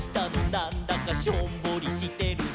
なんだかしょんぼりしてるね」